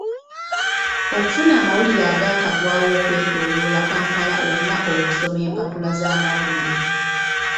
Okufuna amawulire agaakagwawo okwetooloola Kampala oyina okusoma empapula z'amawulire.